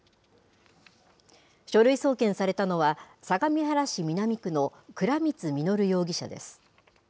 書類送検されたのは、相模原市南区の倉光実容疑者です。